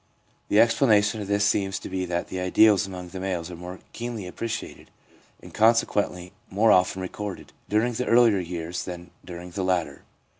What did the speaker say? The explanation of this seems to be that the ideals among the males are more keenly appreciated, and consequently more often recorded, during the earlier years than during the later.